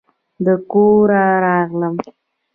د کوره راغلم